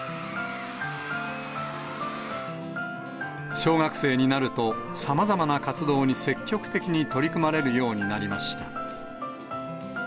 小学生になると、さまざまな活動に積極的に取り組まれるようになりました。